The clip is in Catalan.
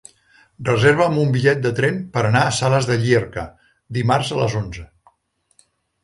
Reserva'm un bitllet de tren per anar a Sales de Llierca dimarts a les onze.